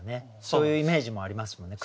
そういうイメージもありますもんね。